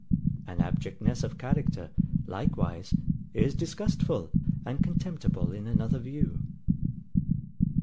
An abjectness of character, likewise, is disgustful and contemptible in another view.